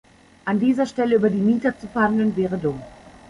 An dieser Stelle über die Miete zu verhandeln, wäre dumm.